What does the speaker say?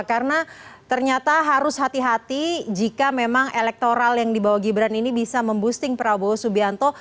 karena ternyata harus hati hati jika memang elektoral yang di bawah gibran ini bisa memboosting prabowo subianto